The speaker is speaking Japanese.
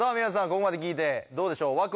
ここまで聞いてどうでしょう？